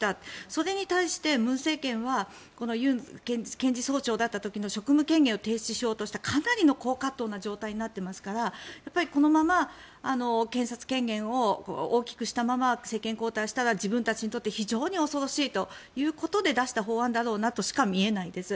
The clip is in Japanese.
それに対して文政権は尹検事総長だった時の職務権限を提出しようとした、かなりの高葛藤の状態になっていますからこのまま検察権限を大きくしたまま政権交代をしたら自分たちにとって非常に恐ろしいということで出した法案だろうなとしか見えないです。